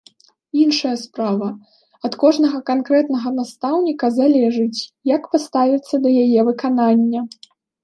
Іншая справа, ад кожнага канкрэтнага настаўніка залежыць, як паставіцца да яе выканання.